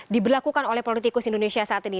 diberlakukan oleh politikus indonesia saat ini